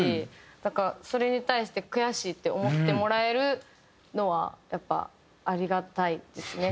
だからそれに対して「悔しい」って思ってもらえるのはやっぱありがたいですね。